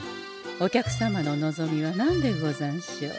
お客様の望みは何でござんしょう？